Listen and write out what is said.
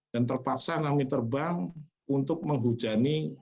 dan terpaksa kami terbang untuk menghujani